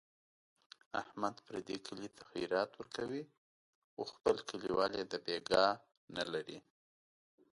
احمد پردي کلي ته خیرات ورکوي، خو خپل کلیوال یې دبیګاه نه لري.